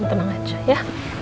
kamu tenang aja ya